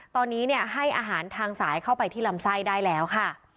ตอนนี้ให้อาหารทางสายเข้าไปที่ลำไส้ได้แล้วค่ะ